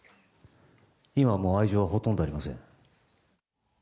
今はもう愛情はほとんどありません。